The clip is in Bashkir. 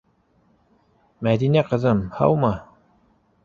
Мәҙинә, ҡыҙым, һаумы?!